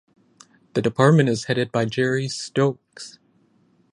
The department is headed by Jerry Stokes.